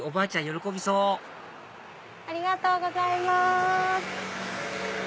喜びそうありがとうございます。